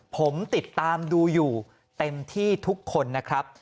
ผมติดตามดูอยู่เต็มที่ทุกคนนะครับ